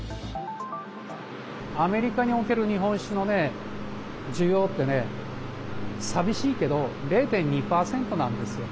アメリカにおける日本酒の需要ってさみしいけど０．２％なんですよ。